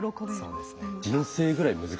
そうですね。